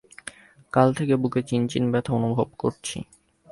কালকে থেকে বুকে চিন চিন ব্যথা অনুভব করছি।